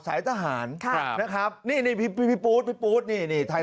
สายทหารครับนะครับนี่นี่พี่พี่พี่พูดพี่พูดนี่นี่ไทย